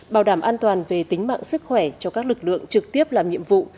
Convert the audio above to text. bảo đảm an toàn về tính mạng sức khỏe cho các lực lượng trực tiếp làm nhiệm vụ